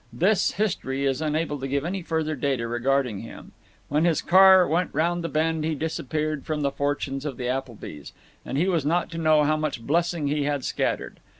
This history is unable to give any further data regarding him; when his car went round the bend he disappeared from the fortunes of the Applebys, and he was not to know how much blessing he had scattered.